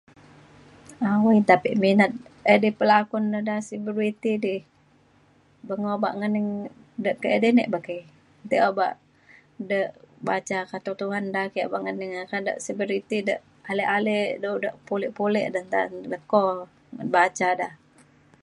awai nta pe minat edai pelakun deda selebriti di beng obak ngening dek ke edai nik bekai ntik obak da baca katuk Tuhan da ake obak ngening aka da selebriti ja alek alek dau da pulik pulik da nta ne leko baca da